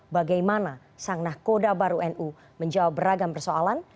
bagaimana sang nakoda baru nu menjawab beragam persoalan